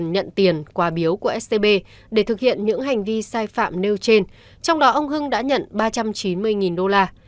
đã nhiều lần nhận tiền quả biếu của scb để thực hiện những hành vi sai phạm nêu trên trong đó ông hưng đã nhận ba trăm chín mươi đô la